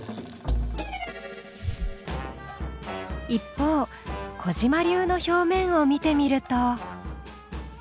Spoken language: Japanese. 一方小嶋流の表面を見てみると。